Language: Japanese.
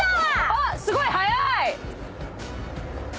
あっすごい！早い！